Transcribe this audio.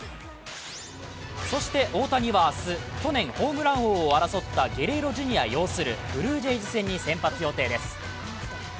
そして、大谷は明日去年ホームラン王を争ったゲレーロ・ジュニア擁するブルージェイズ戦に先発予定です。